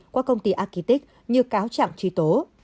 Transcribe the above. qua công ty arkitic như cáo chẳng trí tố